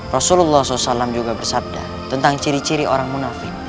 rasulullah saw juga bersabda tentang ciri ciri orang munafik